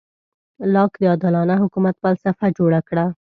لاک د عادلانه حکومت فلسفه جوړه کړه.